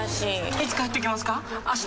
いつ帰ってきますか？